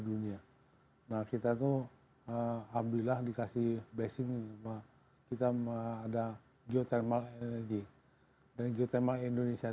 dunia nah kita tuh abdulillah dikasih blessing kita ada geothermal energy dan geothermal indonesia